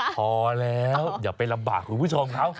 พอแล้วอย่าไปลำบากคุณผู้ชมเขา